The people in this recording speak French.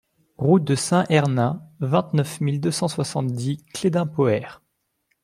Route de Saint-Hernin, vingt-neuf mille deux cent soixante-dix Cléden-Poher